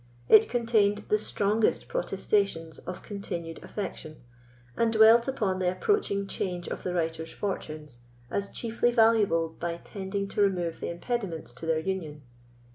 It contained the strongest protestations of continued affection, and dwelt upon the approaching change of the writer's fortunes, as chiefly valuable by tending to remove the impediments to their union.